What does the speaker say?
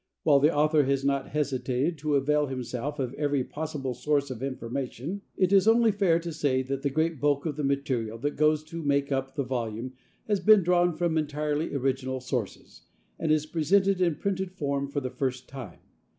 While the author has not hesitated to avail himself of every possible source of information, it is only fair to say that the great bulk of the material that goes to make up the volume has been drawn from entirely original sources, and is presented in printed form for the first time.